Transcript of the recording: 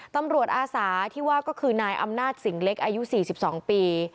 อาสาที่ว่าก็คือนายอำนาจสิงเล็กอายุ๔๒ปี